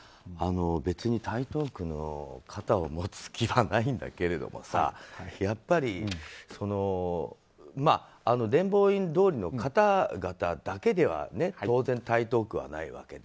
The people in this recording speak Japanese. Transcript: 別に台東区の肩を持つ気はないんだけどやっぱり伝法院通りの方々だけでは当然、台東区はないわけで。